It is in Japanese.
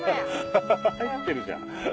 ハハハ入ってるじゃん。